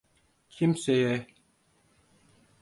Kimseye…